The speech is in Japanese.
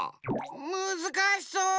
むずかしそう。